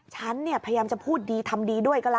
ฉันเนี่ยพยายามจะพูดดีทำดีด้วยก็แล้ว